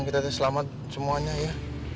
kita selamat semuanya ya